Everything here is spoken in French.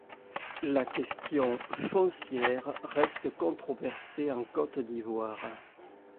La question foncière reste controversée en Côte d'Ivoire.